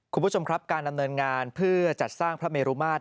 คุณผู้ชมครับการดำเนินงานเพื่อจัดสร้างพระเมรุมาตร